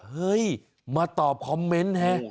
เฮ้ยมาตอบคอมเมนต์ฮะ